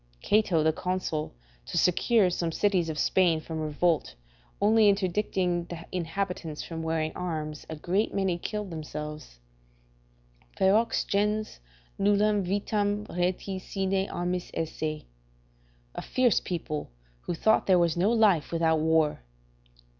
Cato the consul, to secure some cities of Spain from revolt, only interdicting the inhabitants from wearing arms, a great many killed themselves: "Ferox gens, nullam vitam rati sine armis esse." ["A fierce people, who thought there was no life without war."